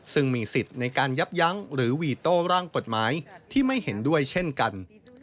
ซึ่งมีสิทธิ์ในการยับยั้งหรือวีโต้ร่างกฎหมายที่ไม่เห็นด้วยเช่นกัน